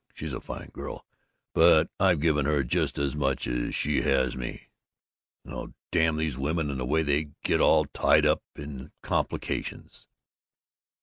She's a fine girl, but I've given her just as much as she has me.... Oh, damn these women and the way they get you all tied up in complications!"